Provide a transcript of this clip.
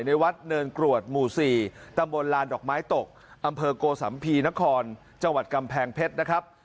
ในวัดเนินกรวดหมู่๔ตำบลลานดอกไม้ตกอำเภอโกสัมภีนครจังหวัดกำแพงเพชรนะครับ